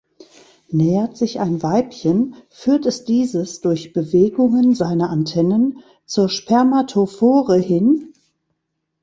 Nähert sich ein Weibchen, führt es dieses durch Bewegungen seiner Antennen zur Spermatophore hin.